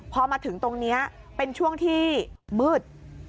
พอมาถึงตรงนี้เป็นช่วงที่มืด